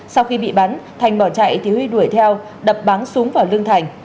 sau khi bị bắn thành bỏ chạy thì huy đuổi theo đập bắn súng vào lương thành